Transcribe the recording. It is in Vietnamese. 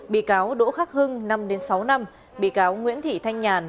bị cáo đỗ khắc hưng năm sáu năm bị cáo nguyễn thị thanh nhàn